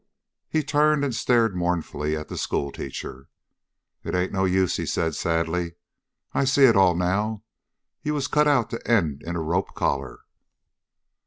He turned and stared mournfully at the schoolteacher. "It ain't no use," he said sadly. "I see it all now. You was cut out to end in a rope collar."